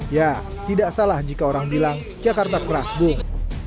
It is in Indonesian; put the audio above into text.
ya tidak salah jika orang bilang jakarta keras bung